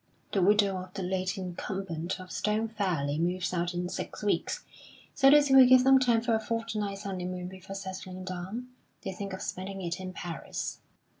The widow of the late incumbent of Stone Fairley moves out in six weeks, so this will give them time for a fortnight's honeymoon before settling down. They think of spending it in Paris.